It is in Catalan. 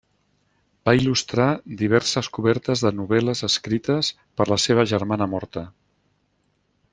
Va il·lustrar diverses cobertes de novel·les escrites per la seva germana morta.